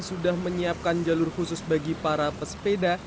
sudah menyiapkan jalur khusus bagi para pesepeda